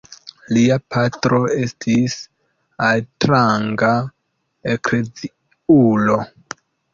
Lia patro estis altranga ekleziulo.